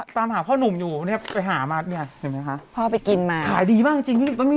ตามหาพ่อนุ่มอยู่ไปหามาเลยมากินมาขายดีมากจริงวะนี่